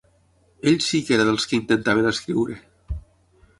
Ell sí que era dels que intentaven escriure.